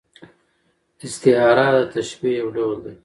استعاره د تشبیه یو ډول دئ.